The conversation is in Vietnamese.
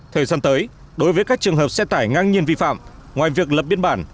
thời gian tới đối với các trường hợp xe tải ngang nhiên vi phạm ngoài việc lập biên bản